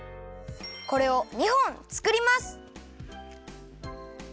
これを２本つくります。